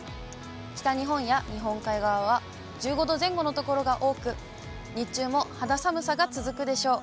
北日本や日本海側は１５度前後の所が多く、日中も肌寒さが続くでしょう。